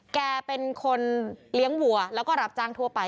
แกเป็นคนเลี้ยงวัวแล้วก็รับจ้างทั่วไป